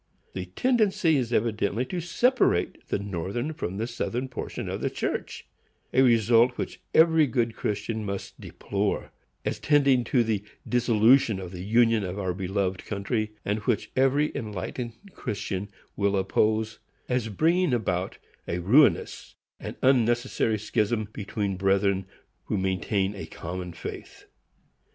The tendency is evidently to separate the Northern from the Southern portion of the church,—a result which every good Christian must deplore, as tending to the dissolution of the Union of our beloved country, and which every enlightened Christian will oppose, as bringing about a ruinous and unnecessary schism between brethren who maintain a common faith.